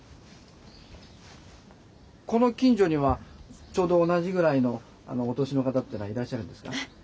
この近所にはちょうど同じぐらいのお年の方っていうのはいらっしゃるんですか？